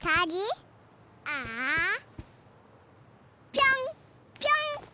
ぴょんぴょん。